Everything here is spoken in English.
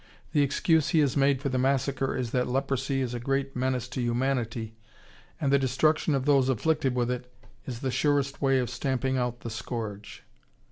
The excuse he has made for the massacre is that leprosy is a great menace to humanity and the destruction of those afflicted with it is the surest way of stamping out the scourge....